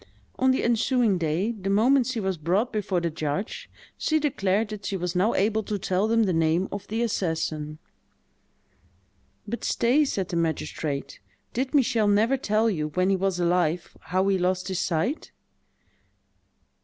On the ensuing day, the moment she was brought before the judge, she declared that she was now able to tell them the name of the assassin. "But stay," said the magistrate: "did Michel never tell you, when he was alive, how he lost his sight?"